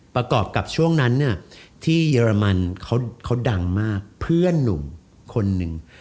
ประกอบกับช่วงนั้นที่เยอรมันเขาดังมากเพื่อนหนุ่มคนหนึ่ง